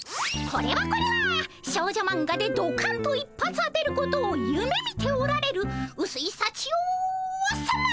これはこれは少女マンガでどかんと一発当てることをゆめみておられるうすいさちよさま！